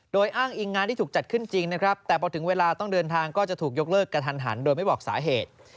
โดยอ้างอิงงานที่ถูกจัดขึ้นจริงนะครับแต่พอถึงเวลาต้องเดินทางก็จะถูกยกเลิกกระทันหันโดยไม่บอกสาเหตุ